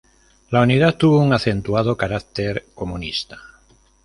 La unidad tuvo un acentuado carácter comunista.